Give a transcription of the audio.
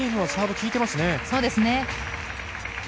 そうですね。